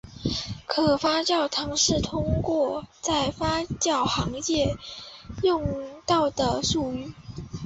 可发酵糖是通常在发酵行业用到的术语。